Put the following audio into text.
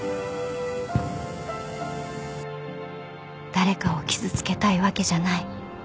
・［誰かを傷つけたいわけじゃない］